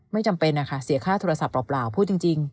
ไม่จำเป็นนะคะเสียค่าโทรศัพท์เปล่าพูดจริง